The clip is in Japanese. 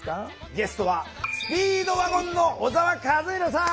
ゲストはスピードワゴンの小沢一敬さん。